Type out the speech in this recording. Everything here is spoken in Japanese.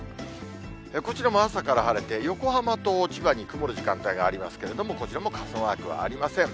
こちらも朝から晴れて、横浜と千葉に曇る時間帯がありますけれども、こちらも傘マークはありません。